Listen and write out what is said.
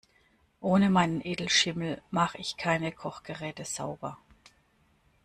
Ohne meinen Edelschimmel mach ich keine Kochgeräte sauber.